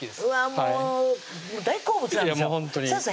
もう大好物なんですよ先生